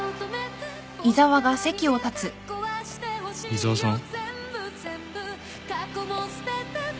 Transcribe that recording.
井沢さん？